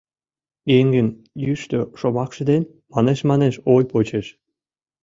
Еҥын йӱштӧ шомакше ден, манеш-манеш ой почеш